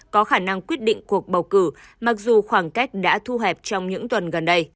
có khả năng quyết định cuộc bầu cử mặc dù khoảng cách đã thu hẹp trong những tuần gần đây